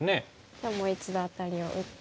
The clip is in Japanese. じゃあもう一度アタリを打って。